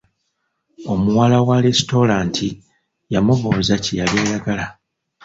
Omuwala wa lesitulanta yamubuuza kye yali ayagala.